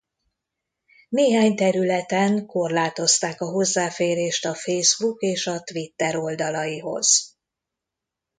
Néhány területen korlátozták a hozzáférést a Facebook és a Twitter oldalaihoz.